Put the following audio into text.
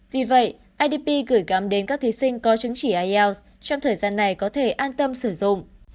vì vậy idp gửi gắm đến các thí sinh có chứng chỉ ielts trong thời gian này có thể an tâm sử dụng